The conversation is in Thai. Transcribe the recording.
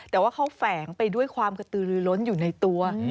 แต่ว่าเขาแฝงไปด้วยความกระตือลือล้นอยู่ในตัว